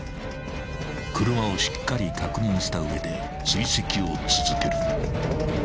［車をしっかり確認した上で追跡を続ける］